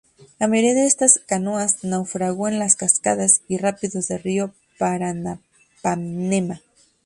La mayoría de estas canoas naufragó en las cascadas y rápidos del río Paranapanema.